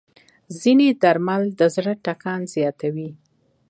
ځینې درمل د زړه ټکان زیاتوي.